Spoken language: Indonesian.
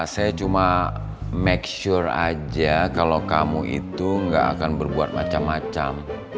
saya cuma make sure aja kalau kamu itu nggak akan berbuat macam macam